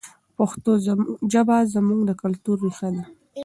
پښتو ژبه زموږ د کلتور ریښه ده.